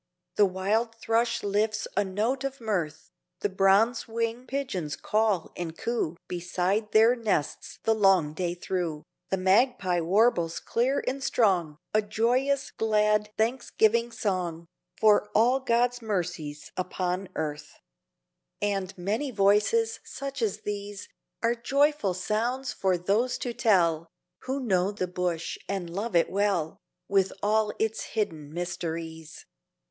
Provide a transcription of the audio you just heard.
The wild thrush lifts a note of mirth; The bronzewing pigeons call and coo Beside their nests the long day through; The magpie warbles clear and strong A joyous, glad, thanksgiving song, For all God's mercies upon earth. And many voices such as these Are joyful sounds for those to tell, Who know the Bush and love it well, With all its hidden mysteries.